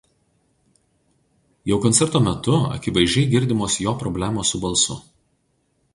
Jau koncerto metu akivaizdžiai girdimos jo problemos su balsu.